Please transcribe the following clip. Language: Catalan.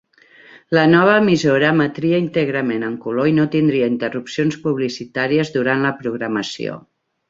La nova emissora emetria íntegrament en color i no tindria interrupcions publicitàries durant la programació.